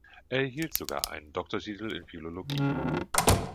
Er erhielt sogar einen Doktortitel in Philologie.